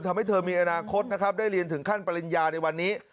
ทำให้เธอมีอนาคตนะครับได้เรียนถึงขั้นปริญญาในวันนี้